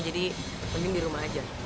jadi mending di rumah aja